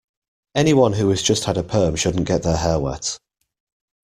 Anyone who has just had a perm shouldn't get their hair wet.